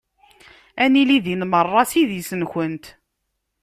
Ad nili din merra s idis-nkent.